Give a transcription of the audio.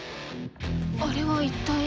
あれは一体？